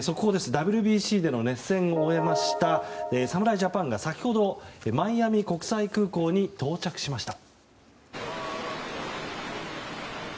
ＷＢＣでの熱戦を終えました侍ジャパンが先ほどマイアミ国際空港に到着しました。